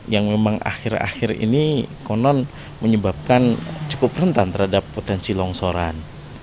yang memang akhir akhir ini konon menyebabkan cukup rentan terhadap potensi longsoran